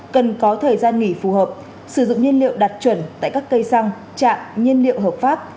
cần có thời gian nghỉ phù hợp sử dụng nhiên liệu đạt chuẩn tại các cây xăng trạm nhiên liệu hợp pháp